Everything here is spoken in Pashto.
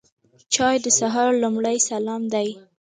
چای د سهار لومړی سلام دی.